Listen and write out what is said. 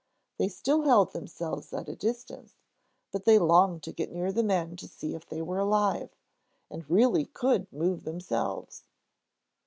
They still held themselves at a distance, but they longed to get near the men to see if they were alive and really could move themselves.